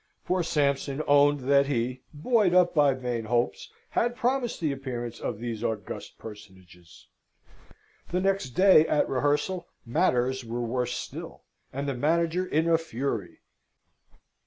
Poor Sampson owned that he, buoyed up by vain hopes, had promised the appearance of these august personages. The next day, at rehearsal, matters were worse still, and the manager in a fury.